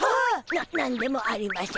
な何でもありましぇん。